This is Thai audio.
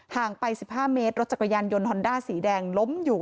ไป๑๕เมตรรถจักรยานยนต์ฮอนด้าสีแดงล้มอยู่